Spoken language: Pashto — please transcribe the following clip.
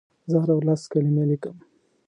زه هره ورځ لس کلمې لیکم.